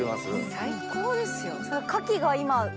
最高ですよ。